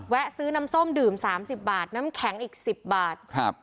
ซื้อน้ำส้มดื่ม๓๐บาทน้ำแข็งอีก๑๐บาทครับ